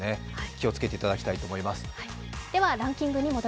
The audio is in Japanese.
気をつけていただきたいと思います。